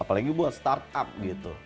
apalagi buat startup gitu